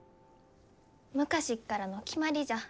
昔っからの決まりじゃ。